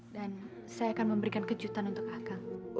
dan saya akan memberikan kejutan untuk akang